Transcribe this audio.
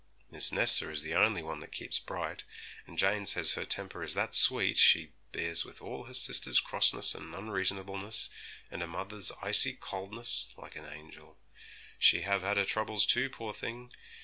Miss Nesta is the only one that keeps bright; and Jane says her temper is that sweet, she bears with all her sister's crossness and unreasonableness, and her mother's icy coldness, like an angel. She have had her troubles, too, poor thing!